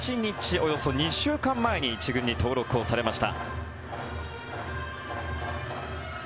およそ２週間前に１軍に登録をされました。